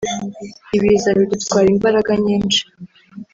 Ibiza bidutwara imbaraga nyinshi